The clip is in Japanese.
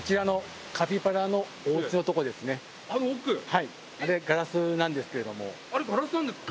はいあれガラスなんですけれどもあれガラスなんですか？